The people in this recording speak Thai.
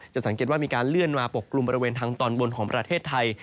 สังเกตว่ามีการเลื่อนมาปกกลุ่มบริเวณทางตอนบนของประเทศไทย